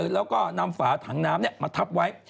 แล้วก็นำฝาถังน้ำมาทับไว้